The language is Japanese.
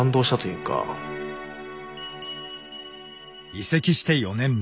移籍して４年目。